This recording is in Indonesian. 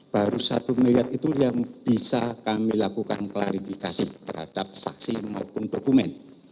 baru satu miliar itu yang bisa kami lakukan klarifikasi terhadap saksi maupun dokumen